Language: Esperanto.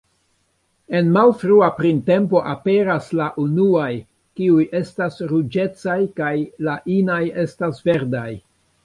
En malfrua printempo aperas la unuaj; kiuj estas ruĝecaj kaj la inaj estas verdaj.